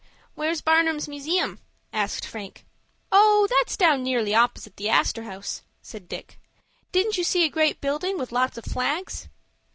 "Where's Barnum's Museum?" asked Frank. "Oh, that's down nearly opposite the Astor House," said Dick. "Didn't you see a great building with lots of flags?"